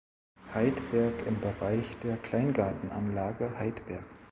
Heidberg im Bereich der Kleingartenanlage Heidberg.